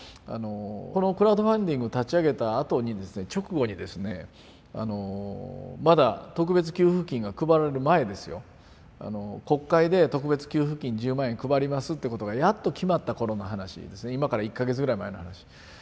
このクラウドファンディング立ち上げたあとにですね直後にですねまだ特別給付金が配られる前ですよ国会で特別給付金１０万円配りますってことがやっと決まった頃の話ですね今から１か月ぐらい前の話。